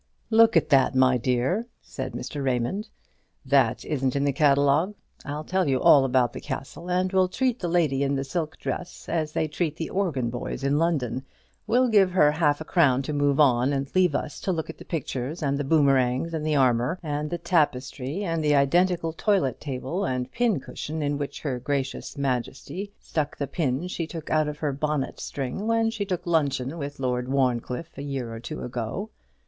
"Look at that, my dear," said Mr. Raymond; "that isn't in the catalogue. I'll tell you all about the castle: and we'll treat the lady in the silk dress as they treat the organ boys in London. We'll give her half a crown to move on, and leave us to look at the pictures, and the boomerangs, and the armour, and the tapestry, and the identical toilet table and pin cushion in which her gracious Majesty stuck the pin she took out of her bonnet string when she took luncheon with Lord Warncliffe a year or two ago.